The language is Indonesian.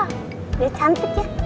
udah cantik ya